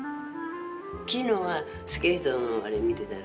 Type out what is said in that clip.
昨日はスケートのあれを見てたら。